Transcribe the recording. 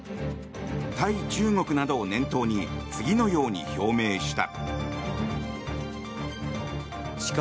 対中国などを念頭に次のように表明した。